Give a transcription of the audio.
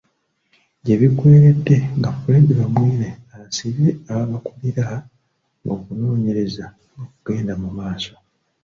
Gye biggweeredde nga Fred Bamwine asibye ababakulira ng'okunoonyereza bwe kugenda mu maaso.